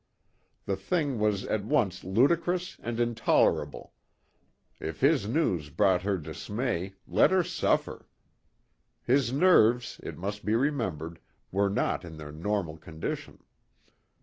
The thing was at once ludicrous and intolerable; if his news brought her dismay, let her suffer. His nerves, it must be remembered, were not in their normal condition.